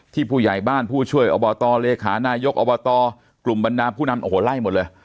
ผู้ใหญ่บ้านผู้ช่วยอบตเลขานายกอบตกลุ่มบรรดาผู้นำโอ้โหไล่หมดเลย